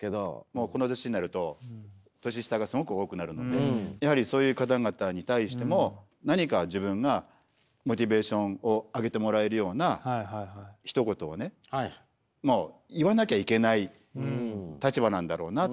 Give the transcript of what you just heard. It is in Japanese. もうこの年になると年下がすごく多くなるのでやはりそういう方々に対しても何か自分がモチベーションを上げてもらえるようなひと言をねもう言わなきゃいけない立場なんだろうなって思うわけです。